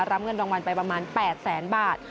รับเงินรางวัลไปประมาณ๘แสนบาท